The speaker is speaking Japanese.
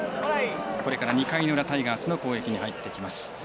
これから２回の裏タイガースの攻撃に入ってきます。